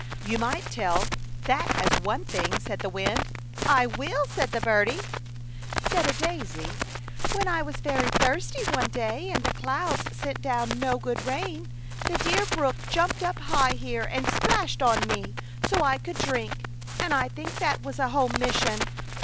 *'You might tell that as one thing," said the wind. " I will," said Birdie. Said a daisy, When I was very 82 A Chautauqua Idyl. thirsty, one day, and the clouds sent down no good rain, the dear brook jumped up high here, and splashed on me so I could drink, and I think that was a home mission."